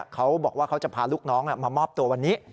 เขาบอกว่าเขาจะพาลูกน้องมามอบตัววันนี้